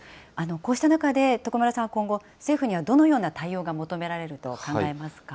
こうした中で、徳丸さんは今後、政府にはどのような対応が求められると考えますか。